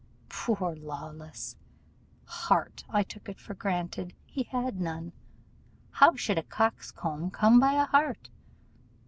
Poor Lawless! Heart, I took it for granted, he had none; how should a coxcomb come by a heart?